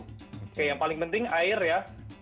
oke yang paling penting air ya